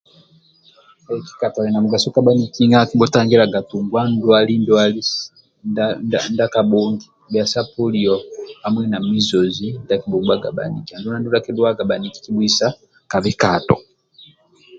Kikato ali na mugaso kabhaniki akibutangilyaga tunga ndwali ndwali ndia kabhongi sya poliyo jamui na mizozi ndua kibubgaga baniki andulu ndia kidhuwaga baniki kibuisa ka bhikato